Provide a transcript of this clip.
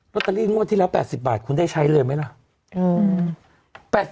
ตเตอรี่งวดที่แล้ว๘๐บาทคุณได้ใช้เลยไหมล่ะ